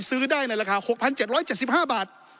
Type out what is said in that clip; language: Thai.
ซื้อได้ในราคา๖๗๗๕บาท